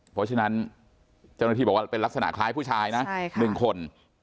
เพราะฉะนั้นเจ้าหน้าที่บอกว่าเป็นลักษณะคล้ายผู้ชายนะ๑คน